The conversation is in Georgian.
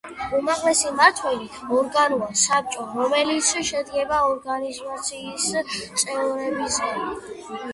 უმაღლესი მმართველი ორგანოა საბჭო, რომელიც შედგება ორგანიზაციის წევრებისაგან.